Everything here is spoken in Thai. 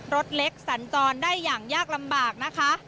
รถเล็กสัญจรได้อย่างยากลำบากนะคะ